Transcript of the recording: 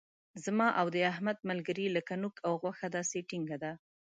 زما او د احمد ملګري لکه نوک او غوښه داسې ټینګه ده.